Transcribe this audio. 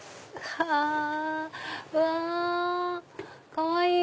かわいい！